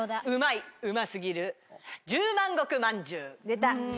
出た。